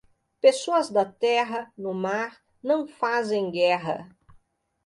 Pessoas da terra, no mar, não fazem guerra.